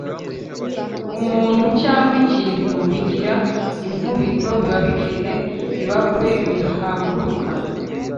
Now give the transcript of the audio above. umuntu cyangwa ikintu bigira inkubito, biba bifite ibakwe, bihaguruka